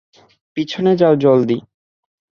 পিছনে যাও, জলদি।